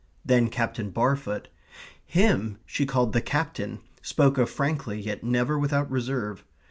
Then Captain Barfoot. Him she called "the Captain," spoke of frankly, yet never without reserve.